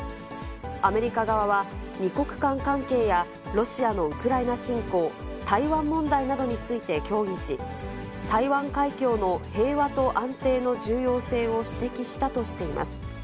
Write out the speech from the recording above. アメリカ側は、２国間関係やロシアのウクライナ侵攻、台湾問題などについて協議し、台湾海峡の平和と安定の重要性を指摘したとしています。